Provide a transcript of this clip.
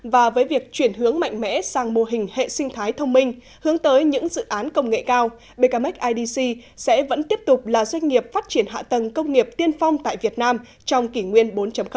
và với việc chuyển hướng mạnh mẽ sang mô hình hệ sinh thái thông minh hướng tới những dự án công nghệ cao bkmac idc sẽ vẫn tiếp tục là doanh nghiệp phát triển hạ tầng công nghiệp tiên phong tại việt nam trong kỷ nguyên bốn